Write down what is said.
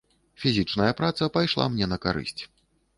Фізічная праца пайшла мне на карысць.